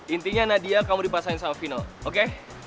intinya nadia kamu dipasangin sama final oke